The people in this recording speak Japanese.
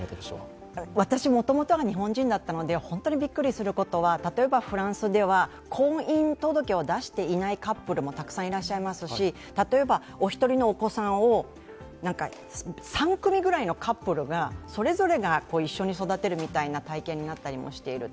私、もともとが日本人だったので本当にびっくりしたのが例えばフランスでは、婚姻届を出していないカップルもたくさんいらっしゃいますし、例えば、お一人のお子さんを３組ぐらいのカップルがそれぞれが一緒に育てるみたいにもなったりもしている。